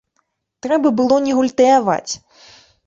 Трэба было не гультаяваць.